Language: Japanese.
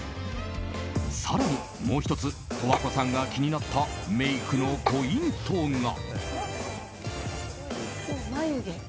更に、もう１つ十和子さんが気になったメイクのポイントが。